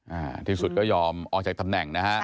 อ่าที่สุดก็ยอมออกจากตำแหน่งนะฮะ